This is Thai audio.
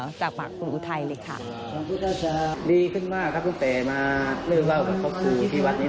ดีขึ้นมากครับตั้งแต่มาเลิกเล่ากับครอบครูที่วัดนี้